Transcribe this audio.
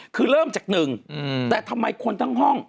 คือเริ่มจากหนึ่งแต่ทำไมคนทั้งห้อง